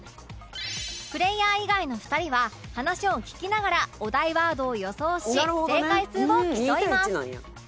プレイヤー以外の２人は話を聞きながらお題ワードを予想し正解数を競います